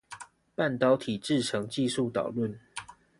半導體製程技術導論